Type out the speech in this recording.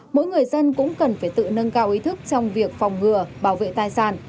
mỗi người dân cũng cần phải tự nâng cao ý thức trong việc phòng ngừa bảo vệ tài sản